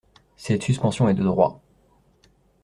Cette suspension est de droit.